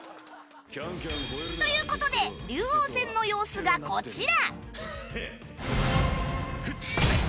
という事で龍王戦の様子がこちら